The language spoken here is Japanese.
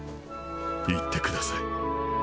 行ってください